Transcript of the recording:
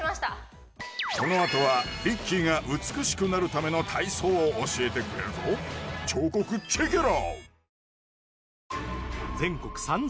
このあとはＲＩＣＫＥＹが美しくなるための体操を教えてくれるぞ彫刻チェケラ！